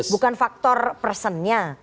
bukan faktor personnya